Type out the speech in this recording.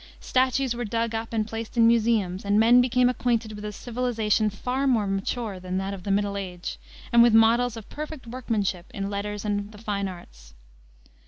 Statues were dug up and placed in museums, and men became acquainted with a civilization far more mature than that of the Middle Age, and with models of perfect workmanship in letters and the fine arts.